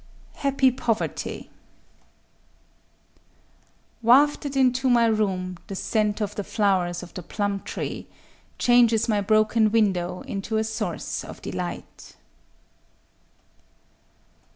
_ HAPPY POVERTY _Wafted into my room, the scent of the flowers of the plum tree Changes my broken window into a source of delight.